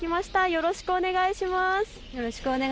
よろしくお願いします。